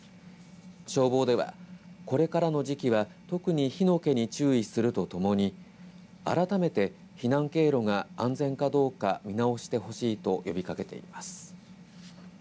消防では、これからの時期は特に火の気に注意するとともに改めて、避難経路が安全かどうか見直してほしいと呼びかけています。